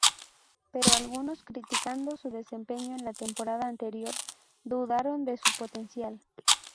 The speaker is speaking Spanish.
Pero algunos, criticando su desempeño en la temporada anterior, dudaron de su potencial.